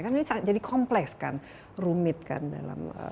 karena ini jadi kompleks kan rumit kan dalam